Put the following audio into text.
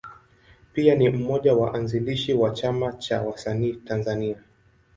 Pia ni mmoja ya waanzilishi wa Chama cha Wasanii Tanzania.